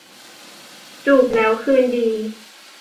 จูบแล้วคืนดี